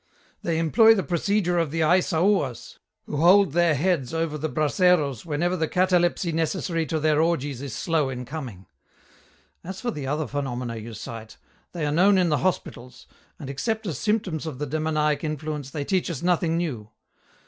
They employ the procedure of the Aissaouas, who hold their heads over the braseros whenever the catalepsy necessary to their orgies is slow in coming. As for the other phenomena you cite, they are known in the hospitals, and except as symptoms of the demoniac effluence they teach us nothing new.